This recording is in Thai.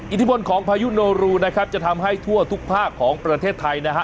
อิทธิพลของพายุโนรูนะครับจะทำให้ทั่วทุกภาคของประเทศไทยนะฮะ